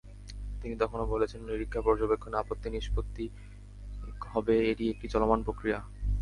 তিনি তখনো বলেছেন, নিরীক্ষা পর্যবেক্ষণে আপত্তি নিষ্পত্তি হবে, এটি একটি চলমান প্রক্রিয়া।